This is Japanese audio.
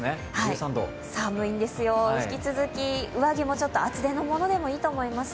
寒いんですよ、引き続き上着もちょっと厚手のものでいいと思います。